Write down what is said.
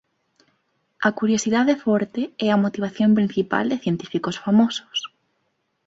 A curiosidade forte é a motivación principal de científicos famosos.